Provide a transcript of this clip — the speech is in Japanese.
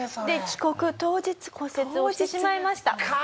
で帰国当日骨折をしてしまいました。